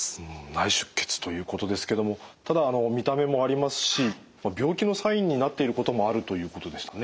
内出血ということですけどもただ見た目もありますし病気のサインになっていることもあるということでしたね。